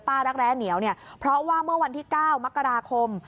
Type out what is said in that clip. รักแร้เหนียวเนี่ยเพราะว่าเมื่อวันที่๙มกราคม